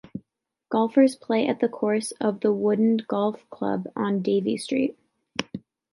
Golfers play at the course of the Woodend Golf Club on Davy Street.